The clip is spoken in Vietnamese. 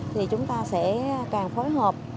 thì chúng ta sẽ càng phối hợp